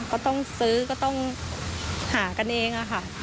ก็ต้องซื้อก็ต้องหากันเองค่ะ